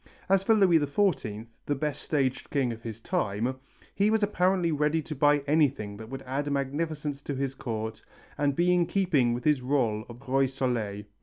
As for Louis XIV, the best staged king of his time, he was apparently ready to buy anything that would add magnificence to his court and be in keeping with his rôle of Roi Soleil.